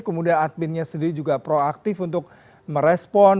kemudian adminnya sendiri juga proaktif untuk merespon